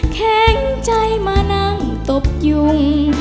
แข็งใจมานั่งตบยุง